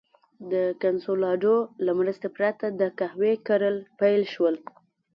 د کنسولاډو له مرستې پرته د قهوې کرل پیل شول.